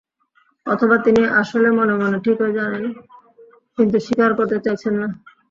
অথবা তিনি আসলে মনে মনে ঠিকই জানেন, কিন্তু স্বীকার করতে চাইছেন না।